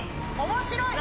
面白い！